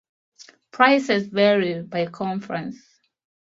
Prices vary by conference.